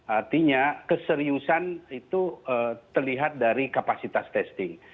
artinya keseriusan itu terlihat dari kapasitas testing